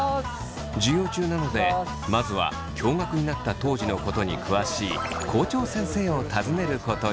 授業中なのでまずは共学になった当時のことに詳しい校長先生を訪ねることに。